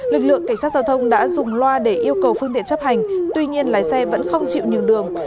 lực lượng cảnh sát giao thông đã dùng loa để yêu cầu phương tiện chấp hành tuy nhiên lái xe vẫn không chịu nhường đường